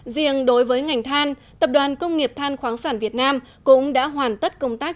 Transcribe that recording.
riêng đối với ngành than tập đoàn công nghiệp than khoáng sản việt nam cũng đã hoàn tất công tác